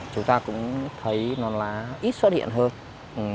chúng ta cũng thấy non lá ít xuất hiện hơn